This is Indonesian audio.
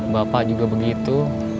bapak juga begitu